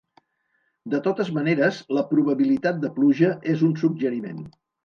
De totes maneres, la probabilitat de pluja és un "suggeriment".